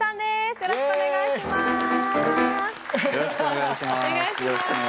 よろしくお願いします。